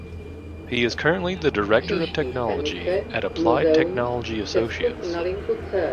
He is currently the director of technology at Applied Technology Associates.